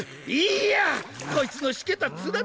いいやこいつのしけたツラ